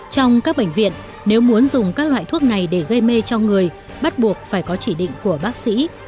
trong các bệnh viện nếu muốn dùng các loại thuốc này để gây mê cho người bắt buộc phải có chỉ định của bác sĩ